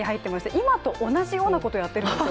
今と同じようなことをやってるんですよ。